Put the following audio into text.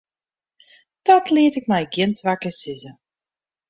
Dat liet ik my gjin twa kear sizze.